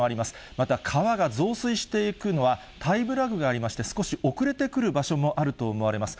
また川が増水していくのはタイムラグがありまして、少し遅れてくる場所もあると思われます。